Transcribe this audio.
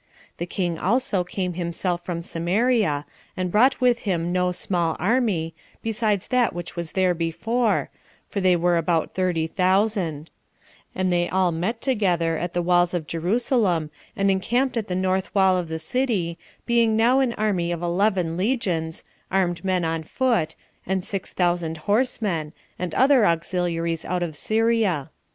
The king also came himself from Samaria, and brought with him no small army, besides that which was there before, for they were about thirty thousand; and they all met together at the walls of Jerusalem, and encamped at the north wall of the city, being now an army of eleven legions, armed men on foot, and six thousand horsemen, with other auxiliaries out of Syria.